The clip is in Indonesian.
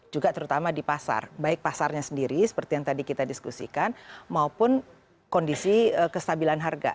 juga terutama di pasar baik pasarnya sendiri seperti yang tadi kita diskusikan maupun kondisi kestabilan harga